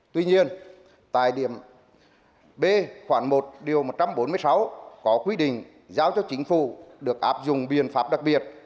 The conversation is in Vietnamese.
tuy nhiên tại điểm b khoảng một điều một trăm bốn mươi sáu có quy định giao cho chính phủ được áp dụng biện pháp đặc biệt